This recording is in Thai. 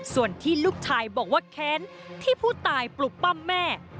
ส่วนที่ลูกชายบอกว่าแค้นที่ผู้ตายปลุกปั้มแม่